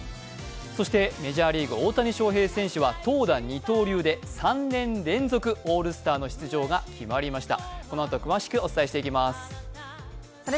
そして、メジャーリーグ・大谷翔平選手は二刀流で３年連続オールスターの出場が決まりました。